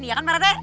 iya kan pak rete